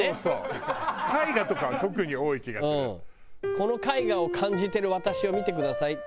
この絵画を感じてる私を見てください。